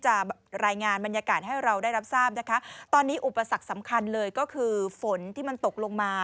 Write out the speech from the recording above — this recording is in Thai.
จะรายงานบรรยากาศให้เราได้รับทราบนะคะตอนนี้อุปสรรคสำคัญเลยก็คือฝนที่มันตกลงมา